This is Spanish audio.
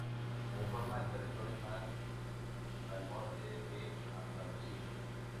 Conforma el territorio más al norte de Andalucía.